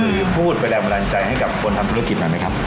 น้องคือพูดไปแรงบันดาลใจให้กับคนทำธุรกิจมากมั้ยครับ